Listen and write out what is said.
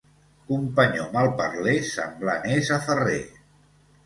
Companyó malparler semblant és a ferrer.